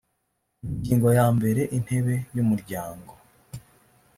ingingo ya mbere intebe y umuryango